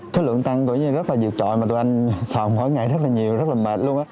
số lượng tăng tự nhiên rất là diệt trọi mà tụi anh xò mỗi ngày rất là nhiều rất là mệt luôn á